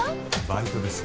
バイトです。